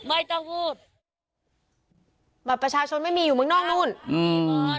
ประเทศอะไรไม่ต้องพูดบาทประชาชนไม่มีอยู่เมืองนอกนู้นอืม